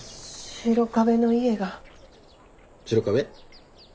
白壁？